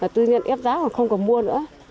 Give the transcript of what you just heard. tự nhiên ép giá còn không có mua nữa